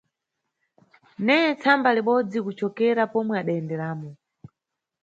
Neye tsamba libodzi kucokera pomwe adayenderamo.